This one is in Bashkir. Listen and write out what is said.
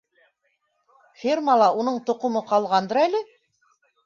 Фермала уның тоҡомо ҡалғандыр әле.